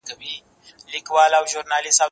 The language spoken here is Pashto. زه پرون مځکي ته وکتل؟!